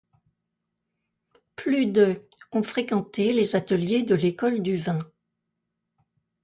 Plus de ont fréquenté les ateliers de l’École du Vin.